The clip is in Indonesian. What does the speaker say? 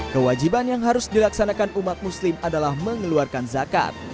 kewajiban yang harus dilaksanakan umat muslim adalah mengeluarkan zakat